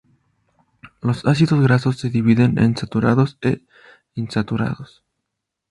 Los ácidos grasos se dividen en saturados e insaturados.